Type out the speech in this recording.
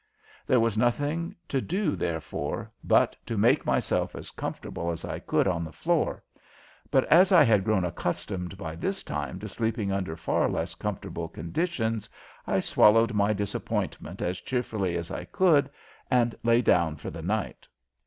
There was nothing to do, therefore, but to make myself as comfortable as I could on the floor, but as I had grown accustomed by this time to sleeping under far less comfortable conditions I swallowed my disappointment as cheerfully as I could and lay down for the night.